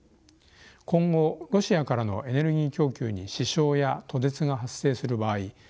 今後ロシアからのエネルギー供給に支障や途絶が発生する場合